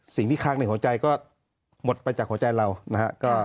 สิ่งที่คล้างในหัวใจก็หมดไปจากหัวใจเรานะฮะ